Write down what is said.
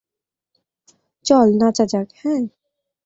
চল, নাচা যাক, হ্যাঁ?